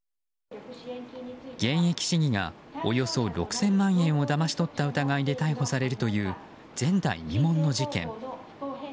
現役市議がおよそ６０００万円をだまし取った疑いで逮捕されるという前代未聞の事件。